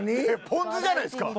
ポン酢じゃないですか。